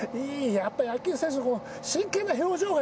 やっぱり野球選手のこの真剣な表情がいい！